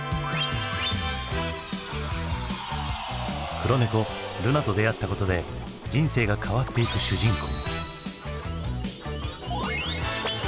黒猫ルナと出会ったことで人生が変わっていく主人公。